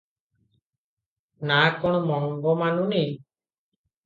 "ନାଆ କଣ ମଙ୍ଗ ମାନୁଛି ।